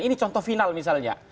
ini contoh final misalnya